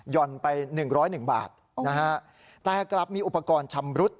ย่อนไป๑๐๑บาทนะฮะแต่กลับมีอุปกรณ์ชำรุด